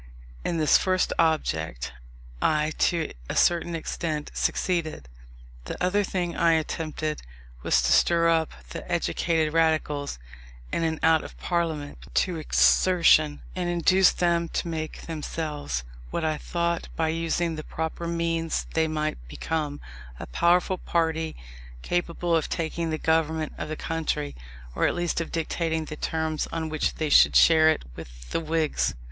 In this first object I, to a certain extent, succeeded. The other thing I attempted, was to stir up the educated Radicals, in and out of Parliament, to exertion, and induce them to make themselves, what I thought by using the proper means they might become a powerful party capable of taking the government of the country, or at least of dictating the terms on which they should share it with the Whigs.